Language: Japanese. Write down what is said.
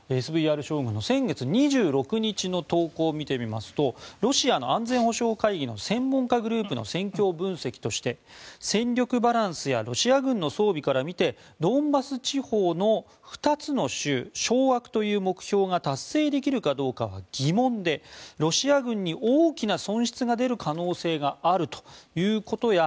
ＳＶＲ将軍の先月２６日の投稿を見てみますとロシアの安全保障会議の専門家グループの戦況分析として戦力バランスやロシア軍の装備から見てドンバス地方の２つの州掌握という目標が達成できるかどうかは疑問でロシア軍に大きな損失が出る可能性があるということや